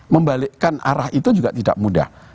membalikkan arah itu juga tidak mudah